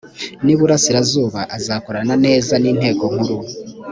n iburasirazuba azakorana neza n inteko nkuru